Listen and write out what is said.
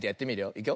いくよ。